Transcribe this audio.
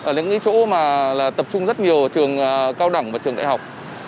ở những chỗ mà tập trung rất nhiều trường cao đẳng và trường đại học